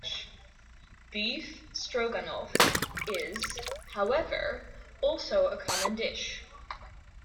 Beef Stroganoff is, however, also a common dish.